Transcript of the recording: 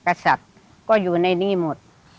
กษัตริย์ก็อยู่ในนี้หมด